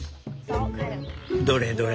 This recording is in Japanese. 「どれどれ？」。